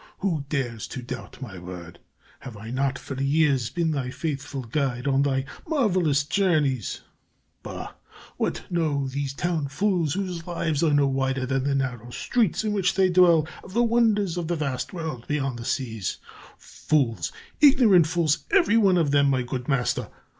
Who dares to doubt my word? Have I not, for years, been thy faithful guide on thy marvelous journeys? Bah! What know these town fools, whose lives are no wider than the narrow streets in which they dwell, of the wonders of the vast world beyond the seas? Fools, ignorant fools, every one of them, my good master.